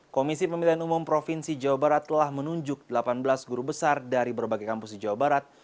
komisi pemilihan umum provinsi jawa barat telah menunjuk delapan belas guru besar dari berbagai kampus di jawa barat